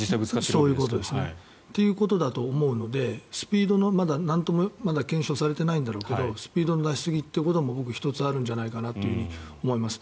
そういうことですね。ということだと思うのでスピードのまだなんとも検証されてないんだろうけどスピードの出しすぎということも僕は１つあるんじゃないかなと思います。